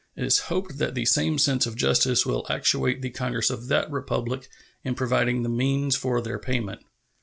It is hoped that the same sense of justice will actuate the Congress of that Republic in providing the means for their payment.